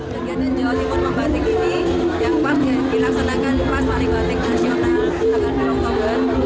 kegiatan jawa timur membatik ini yang part yang dilaksanakan pas hari batik nasional agar berokoban